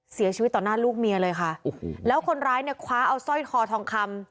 เสียชีวิตต่อหน้าลูกเมียเลยค่ะโอ้โหแล้วคนร้ายเนี่ยคว้าเอาสร้อยคอทองคำ